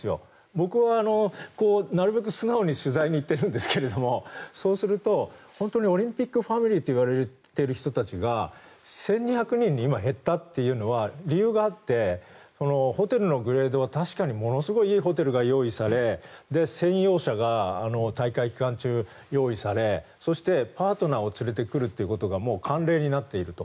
僕はなるべく素直に取材に行っているんですけどそうすると、本当にオリンピックファミリーと言われている人たちが１２００人に今減ったというのは理由があってホテルのグレードは確かにものすごいいいホテルが用意され専用車が大会期間中に用意されそしてパートナーを連れてくることが慣例になっていると。